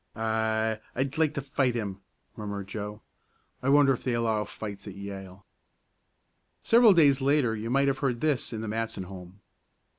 "I I'd like to fight him!" murmured Joe. "I wonder if they allow fights at Yale?" Several days later you might have heard this in the Matson home.